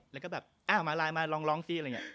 แล้วก็แบบมาไลน์มาลองสิ